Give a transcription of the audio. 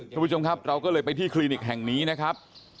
คุณผู้ชมครับเราก็เลยไปที่คลินิกแห่งนี้นะครับ